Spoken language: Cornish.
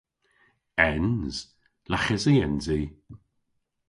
Ens. Laghysi ens i.